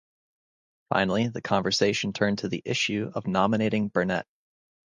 Finally, the convention turned to the issue of nominating Burnett.